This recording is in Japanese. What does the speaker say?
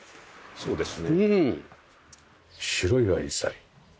そうですね。